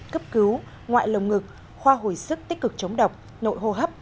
cấp cứu ngoại lồng ngực khoa hồi sức tích cực chống độc nội hô hấp